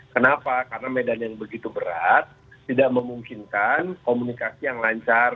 kenapa karena medan yang begitu berat tidak memungkinkan komunikasi yang lancar